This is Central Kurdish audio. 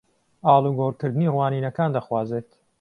ئاڵوگۆڕکردنی ڕوانینەکان دەخوازێت